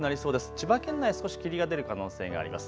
千葉県内少し霧が出る可能性があります。